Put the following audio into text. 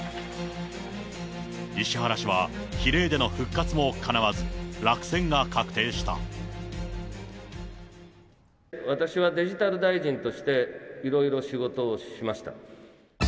石原氏は比例での復活もかなわず、私はデジタル大臣として、いろいろ仕事をしました。